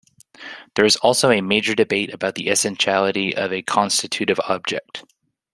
There is also a major debate about the essentiality of a constitutive object.